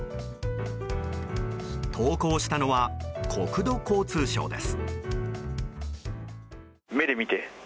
投稿したのは国土交通省です。